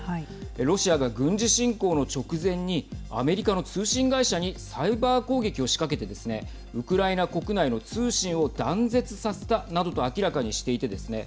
ロシアが軍事侵攻の直前にアメリカの通信会社にサイバー攻撃を仕掛けてですねウクライナ国内の通信を断絶させたなどと明らかにしていてですね